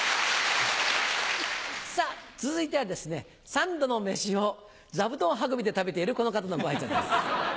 さぁ続いてはですね三度の飯を座布団運びで食べているこの方のご挨拶です。